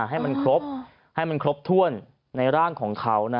ให้มันครบท่วนในร่างของเขา